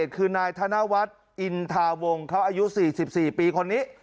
คือนายทานาวัทอินทาวงฯเขาอายุสี่สิบสี่ปีคนนี้